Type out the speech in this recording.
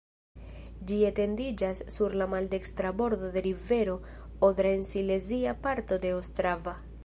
Ĝi etendiĝas sur la maldekstra bordo de rivero Odra en silezia parto de Ostrava.